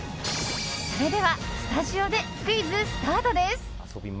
それではスタジオでクイズスタートです！